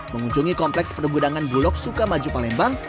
mengunjungi kompleks pergudangan bulog suka maju palembang